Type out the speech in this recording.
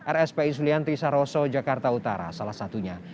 rs pi sulianti saroso jakarta utara salah satunya